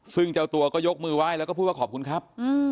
ซึ่งเจ้าตัวก็ยกมือไหว้แล้วก็พูดว่าขอบคุณครับ